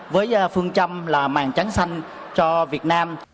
với phương châm là màng trắng xanh cho việt nam